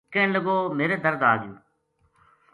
کہن لگو میرے درد آ گیو